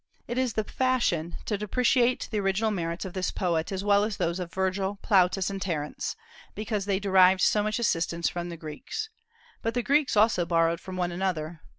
It is the fashion to depreciate the original merits of this poet, as well as those of Virgil, Plautus, and Terence, because they derived so much assistance from the Greeks. But the Greeks also borrowed from one another.